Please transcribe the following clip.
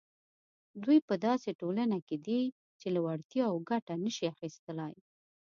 دوی په داسې ټولنه کې دي چې له وړتیاوو ګټه نه شي اخیستلای.